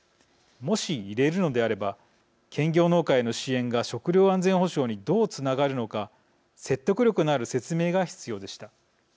もし、入れるのであれば兼業農家への支援が食料安全保障にどうつながるのか説得力のある説明が必要でした。